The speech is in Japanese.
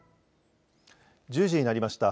１０時になりました。